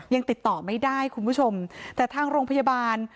ยังติดต่อไม่ได้คุณผู้ชมแต่ทางโรงพยาบาล